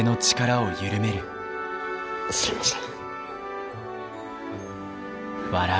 すいません。